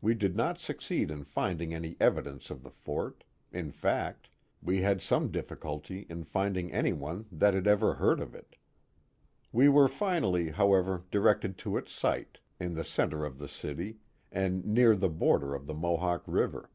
We did not succeed in finding any evidence of the fort, in fact, we had some difficulty in finding any one that had ever heard of it. We were finally, however, directed to its site, in the centre of the city and near the border of the Mohawk River.